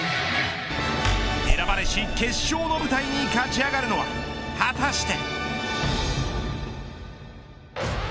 選ばれし決勝の舞台に勝ち上がるのは果たして。